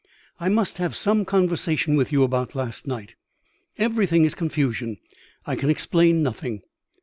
"I must have some conversation with you about last night. Everything is confusion. I can explain nothing."